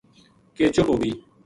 کے چُپ ہو گئی